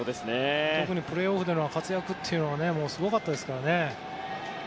特にプレーオフでの活躍はすごかったですからね。